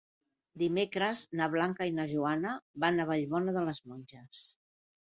Dimecres na Blanca i na Joana van a Vallbona de les Monges.